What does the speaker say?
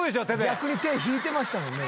逆に手引いてましたもんね